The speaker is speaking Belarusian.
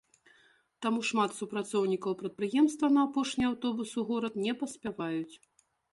Таму шмат супрацоўнікаў прадпрыемства на апошні аўтобус у горад не паспяваюць.